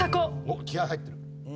おっ気合入ってる。